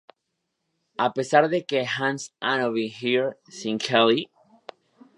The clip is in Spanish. A pesar de que "Has anybody here seen Kelly?